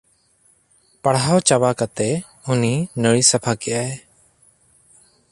ᱯᱟᱲᱦᱟᱣ ᱪᱟᱵᱟ ᱠᱟᱛᱮ ᱩᱱᱤ ᱱᱟᱹᱲᱤ ᱥᱟᱯᱷᱟ ᱠᱮᱜᱼᱟᱭ ᱾